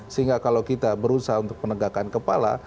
sehingga kalau kita berusaha untuk menegakkan kepala